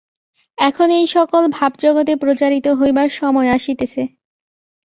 এখন এই-সকল ভাব জগতে প্রচারিত হইবার সময় আসিতেছে।